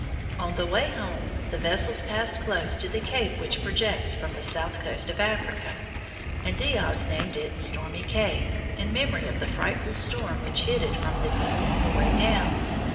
On the way home, the vessels passed close to the cape which projects from the south coast of Africa, and Diaz named it Stormy Cape, in memory of the frightful storm which hid it from view on the way down.